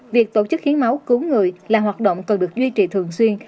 việc tổ chức hiến máu cứu người là hoạt động cần được duy trì thường xuyên